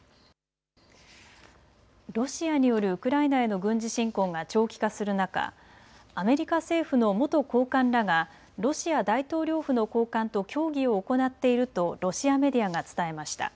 ロシアによるウクライナへの軍事侵攻が長期化する中、アメリカ政府の元高官らがロシア大統領府の高官と協議を行っているとロシアメディアが伝えました。